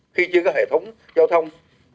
khi chưa có hệ thống giao thông